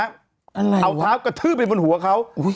เอาเท้ากระทืบไปบนหัวเขา